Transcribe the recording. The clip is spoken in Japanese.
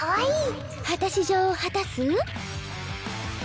果たし状を果たす？